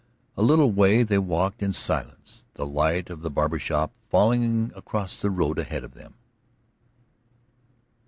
A little way they walked in silence, the light of the barber shop falling across the road ahead of them.